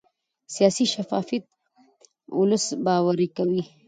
سیاسي شفافیت ولس باوري کوي